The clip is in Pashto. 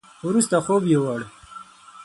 وروسته خوب يوووړ.